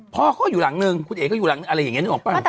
พ่อเขาก็อยู่หลังนึงคุณเอ๋ก็อยู่หลังนึงอะไรอย่างนี้นึกออกป่ะ